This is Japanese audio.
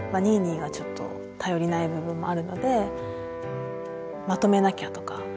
ニーニーがちょっと頼りない部分もあるのでまとめなきゃとか。